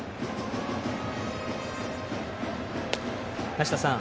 梨田さん